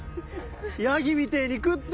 ヤギみてぇに食って！